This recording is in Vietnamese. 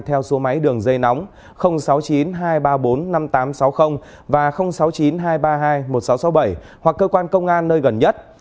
theo số máy đường dây nóng sáu mươi chín hai trăm ba mươi bốn năm nghìn tám trăm sáu mươi và sáu mươi chín hai trăm ba mươi hai một nghìn sáu trăm sáu mươi bảy hoặc cơ quan công an nơi gần nhất